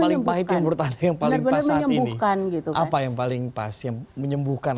paling baik yang bertahan yang paling pas ini bukan gitu apa yang paling pas yang menyembuhkan